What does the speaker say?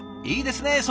いいですね